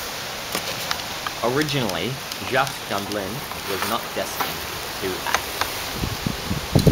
Originally, Jacques Gamblin was not destined to act.